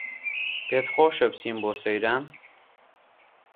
پێتخۆشە بچین بۆ سەیران